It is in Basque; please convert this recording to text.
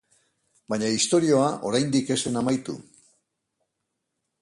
Baina istorioa oraindik ez zen amaitu.